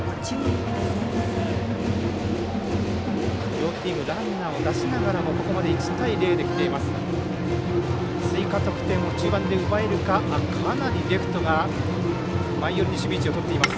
両チーム、ランナーを出しながらここまで１対０できています。